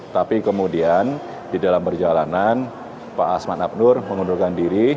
tapi kemudian di dalam perjalanan pak asman abnur mengundurkan diri